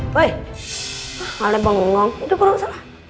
woi kalau lo bengong bengong itu burung salah